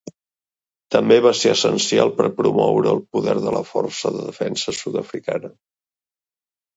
També va ser essencial per promoure el poder de la Força de Defensa Sud-africana.